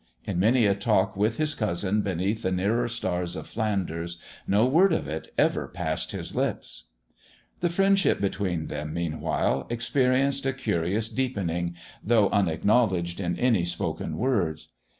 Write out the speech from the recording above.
In many a talk with his cousin beneath the nearer stars of Flanders no word of it ever passed his lips. The friendship between them, meanwhile, experienced a curious deepening, though unacknowledged in any spoken words.